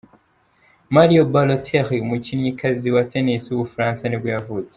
Marion Bartoli, umukinnyikazi wa tennis w’umufaransa ni bwo yavutse.